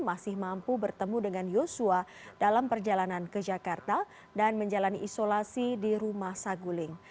masih mampu bertemu dengan yosua dalam perjalanan ke jakarta dan menjalani isolasi di rumah saguling